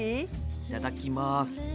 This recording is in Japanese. いただきます。